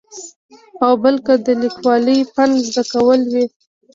او بل که د لیکوالۍ فن زده کول وي.